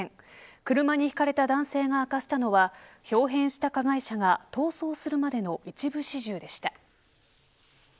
車にひかれた男性が明かしたのは豹変した加害者が逃走するまでの一部始終でした。